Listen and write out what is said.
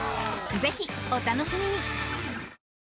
ぜひ、お楽しみに！